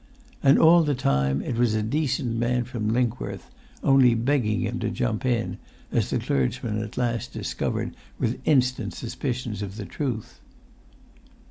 And all the time it was a decent man from Linkworth, only begging him to jump in, as the clergyman at last discovered with instant suspicions of the truth.